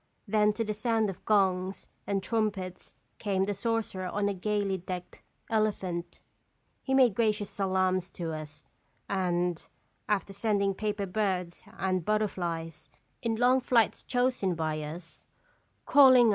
Then, to the sound of gongs and trumpets, came the sorcerer on a gayly decked elephant. He made gracious salaams to us, and, after sending paper birds and butterflies in long flights chosen by us, calling 234 "(&lje Seconfc Carfc (Bins."